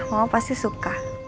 mama pasti suka